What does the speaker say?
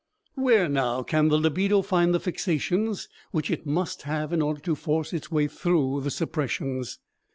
Where, now, can the libido find the fixations which it must have in order to force its way through the suppressions?